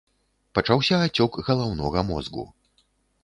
Пачаўся ацёк галаўнога мозгу.